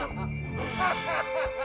apa yang akan terjadi